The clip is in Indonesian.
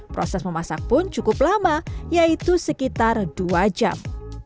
proses memasak pun cukup lama yaitu sekitar dua jam